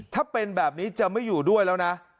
ถ้าเป็นแบบนี้จะไม่อยู่ด้วยแล้วนะ